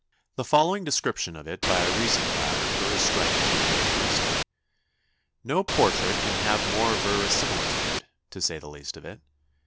The following description of it by a recent biographer is strikingly characteristic: 'No portrait can have more verisimilitude, to say the least of it.